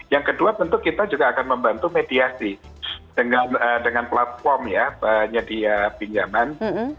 yang kedua tentu kita juga akan membantu mediasi dengan platform ya penyedia pinjaman